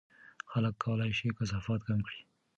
خلک کولای شي کثافات کم کړي.